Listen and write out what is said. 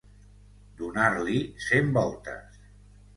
Donar-li cent voltes.